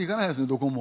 どこも。